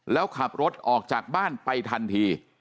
แล้วขับรถออกจากบ้านไปทันที